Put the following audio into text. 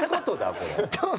これ。